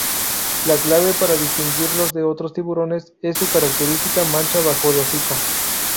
La clave para distinguirlos de otros tiburones es su característica mancha bajo el hocico.